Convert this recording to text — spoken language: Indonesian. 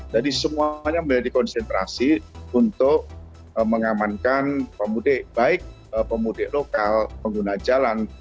jadi semuanya menjadi konsentrasi untuk mengamankan pemudik baik pemudik lokal pengguna jalan